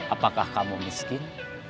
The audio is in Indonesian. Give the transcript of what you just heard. apakah kamu miskin